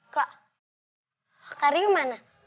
kak kak kario mana